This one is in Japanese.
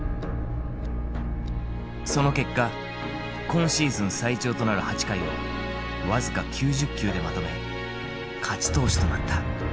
その結果今シーズン最長となる８回を僅か９０球でまとめ勝ち投手となった。